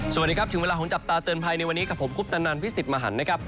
สวัสดีครับถึงเวลาของจับตาเตือนภัยในวันนี้กับผมคุปตนันพิสิทธิ์มหันนะครับ